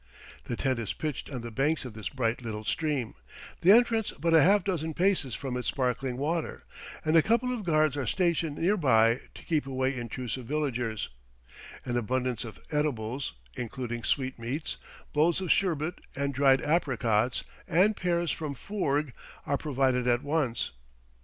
The tent is pitched on the banks of this bright little stream, the entrance but a half dozen paces from its sparkling water, and a couple of guards are stationed near by to keep away intrusive villagers; an abundance of eatables, including sweetmeats, bowls of sherbet, and dried apricots, and pears from Foorg, are provided at once.